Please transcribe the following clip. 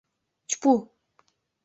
— Чпу!